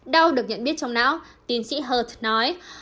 đau được nhận biết trong não tiến sĩ hurt nói